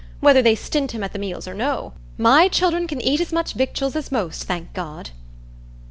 whether they stint him at the meals or no. My children can eat as much victuals as most, thank God!"